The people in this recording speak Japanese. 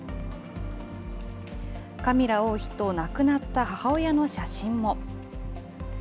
カミラ王妃と亡くなった母親の写真も。